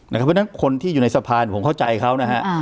นะครับเพราะฉะนั้นคนที่อยู่ในสภาเนี้ยผมเข้าใจเขานะฮะอ่า